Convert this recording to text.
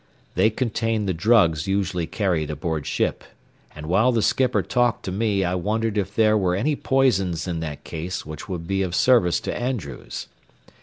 They contained the drugs usually carried aboard ship, and while the skipper talked to me I wondered if there were any poisons in that case which would be of service to Andrews.